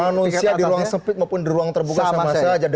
manusia di ruang sempit maupun di ruang terbuka sama saja